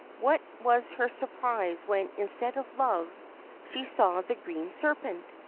What was her surprise when, instead of Love, she saw the Green Serpent